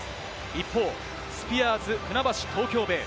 一方、スピアーズ船橋・東京ベイ。